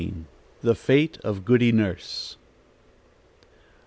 THE FATE OF GOODY NURSE.